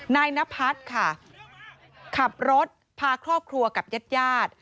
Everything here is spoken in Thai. นายนพัฒน์ค่ะขับรถพาครอบครัวกับญาติญาติ